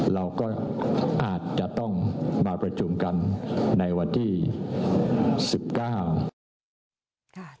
เราก็อาจจะต้องมาประชุมกันในวันที่๑๙